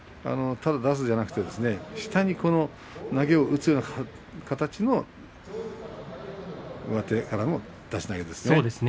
ただ出すのではなく下に投げを打つような形の上手からの出し投げですね。